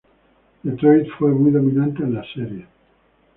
Detroit fue muy dominante en las series.